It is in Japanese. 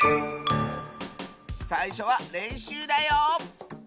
さいしょはれんしゅうだよ！